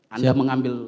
anda mengambil sisi itu